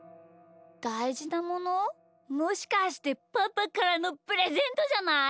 「だいじなもの」？もしかしてパパからのプレゼントじゃない？